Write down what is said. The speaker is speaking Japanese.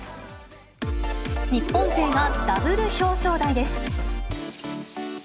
日本勢がダブル表彰台です。